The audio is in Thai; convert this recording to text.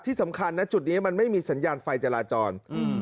ที่สำคัญนะจุดนี้มันไม่มีสัญญาณไฟจราจร